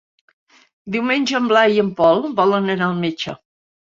Diumenge en Blai i en Pol volen anar al metge.